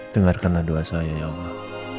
dengarkanlah doa saya ya allah